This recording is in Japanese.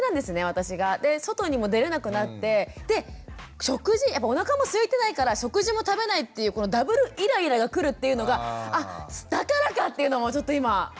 で外にも出れなくなってで食事やっぱおなかもすいてないから食事も食べないっていうこのダブルイライラがくるっていうのがあっだからかっていうのもちょっと今ふに落ちました。